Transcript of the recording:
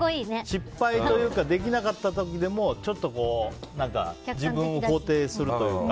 失敗というかできなかった時でも自分を肯定するというか。